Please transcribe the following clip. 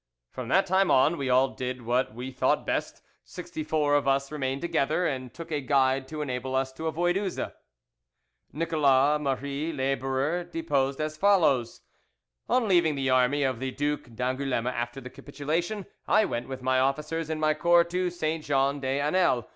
"From that time on we all did what we thought best: sixty four of us remained together, and took a guide to enable us to avoid Uzes." Nicholas Marie, labourer, deposed as follows: "On leaving the army of the Duc d'Angouleme after the capitulation, I went with my officers and my corps to Saint Jean des Anels.